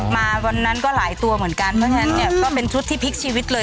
มาวันนั้นก็หลายตัวเหมือนกันเพราะฉะนั้นเนี่ยก็เป็นชุดที่พลิกชีวิตเลย